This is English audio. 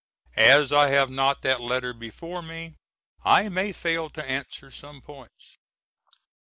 As I have not that letter before me I may fail to answer some points.